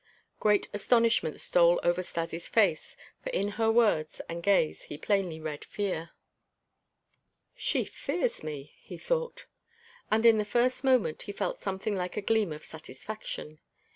Great astonishment stole over Stas' face, for in her words and gaze he plainly read fear. "She fears me," he thought. And in the first moment he felt something like a gleam of satisfaction.